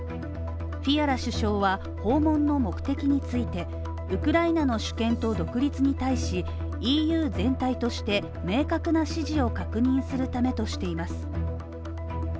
フィアラ首相は、訪問の目的についてウクライナの主権と独立に対しＥＵ全体として明確な支持を確認するためとしています。